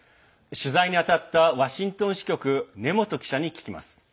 取材に当たったワシントン支局根本記者に聞きます。